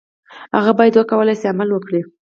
هغه باید وکولای شي عمل وکړي.